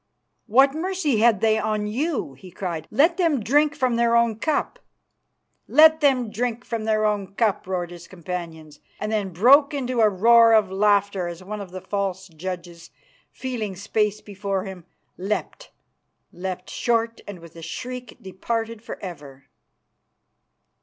"What mercy had they on you?" he cried. "Let them drink from their own cup." "Let them drink from their own cup!" roared his companions, and then broke into a roar of laughter as one of the false judges, feeling space before him, leapt, leapt short, and with a shriek departed for ever.